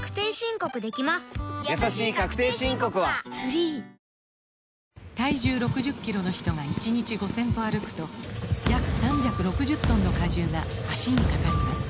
やさしい確定申告はｆｒｅｅｅ体重６０キロの人が１日５０００歩歩くと約３６０トンの荷重が脚にかかります